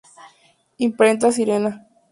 Imprenta Sirena.